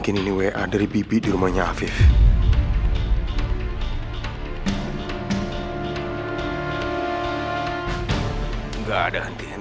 kalian belajar yang rajin ya